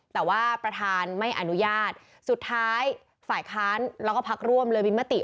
แต่ว่าประธานไม่อนุญาตสุดท้ายฝ่ายค้านแล้วก็พักร่วมเลยมีมติ